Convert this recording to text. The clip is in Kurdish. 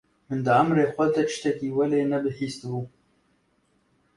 Min di emirê xwe de tiştekî welê ne bihîsti bû.